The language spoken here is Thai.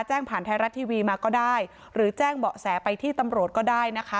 แจ้งผ่านไทยรัฐทีวีมาก็ได้หรือแจ้งเบาะแสไปที่ตำรวจก็ได้นะคะ